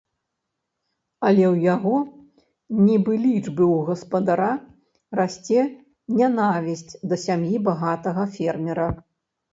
Але ў яго, нібы лічбы ў гаспадара, расце нянавісць да сям'і багатага фермера.